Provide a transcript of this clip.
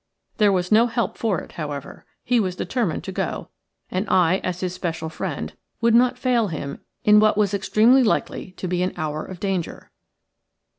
There was no help for it, however; he was determined to go, and I, as his special friend, would not fail him in what was extremely likely to be an hour of danger.